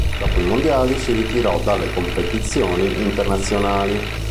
Dopo i Mondiali si ritirò dalle competizioni internazionali.